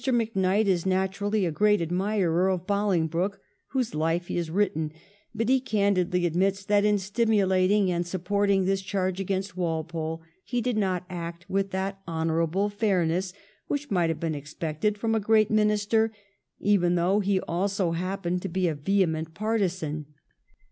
MacKnight is naturally a great admirer of Bolingbroke, whose hfe he has written ; but he can didly admits that in stimulating and supporting this charge against Walpole he did not act with that honourable fairness which might have been expected from a great Minister, even though he also happened to be a vehement partisan.